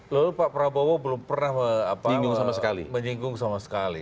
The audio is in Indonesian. lalu pak prabowo belum pernah menyinggung sama sekali